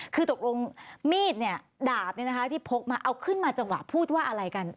คือตกลงมีดเนี่ยดาบที่พกมาเอาขึ้นมาจังหวะพูดว่าอะไรกัน